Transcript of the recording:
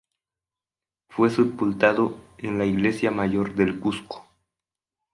Fue sepultado en la Iglesia Mayor del Cuzco.